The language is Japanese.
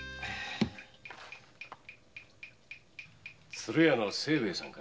鶴屋の清兵衛さんかい？